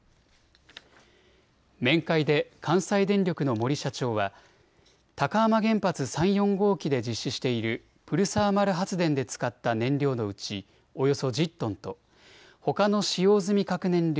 面会で関西電力の森社長は高浜原発３・４号機で実施しているプルサ−マル発電で使った燃料のうちおよそ１０トンとほかの使用済み核燃料